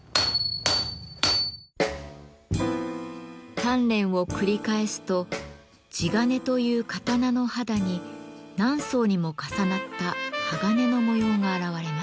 鍛錬を繰り返すと地鉄という刀の肌に何層にも重なった鋼の模様が現れます。